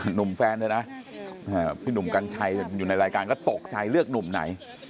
หนุ่มแฟนเธอนะพี่หนุ่มกัญชัยอยู่ในรายการก็ตกใจเลือกหนุ่มไหน